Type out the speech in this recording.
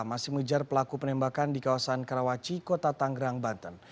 masih mengejar pelaku penembakan di kawasan karawaci kota tanggerang banten